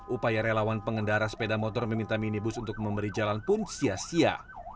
upaya relawan pengendara sepeda motor meminta minibus untuk memberi jalan pun sia sia